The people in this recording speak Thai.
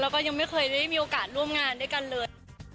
แล้วก็ยังไม่เคยได้มีโอกาสร่วมงานด้วยกันเลย